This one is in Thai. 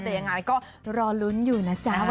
แต่ยังไงก็รอลุ้นอยู่นะจ๊ะ